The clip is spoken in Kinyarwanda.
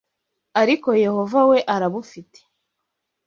Ariko Yehova we arabufite